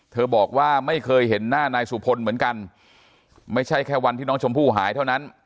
บอกว่าไม่เคยเห็นหน้านายสุพลเหมือนกันไม่ใช่แค่วันที่น้องชมพู่หายเท่านั้น